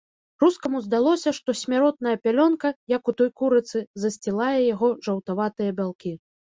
Рускаму здалося, што смяротная пялёнка, як у той курыцы, засцілае яго жаўтаватыя бялкі.